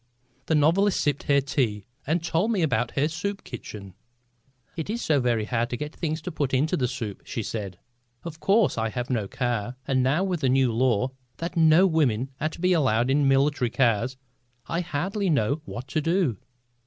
The novelist sipped her tea and told me about her soup kitchen. "It is so very hard to get things to put into the soup," she said. "Of course I have no car, and now with the new law that no women are to be allowed in military cars I hardly know what to do."